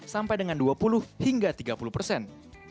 sampai dengan dua puluh hingga tiga puluh persen